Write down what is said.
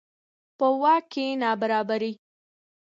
په واک کې نابرابري.